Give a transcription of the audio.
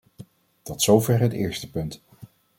Tot zover het eerste punt.